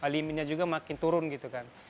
aliminnya juga makin turun gitu kan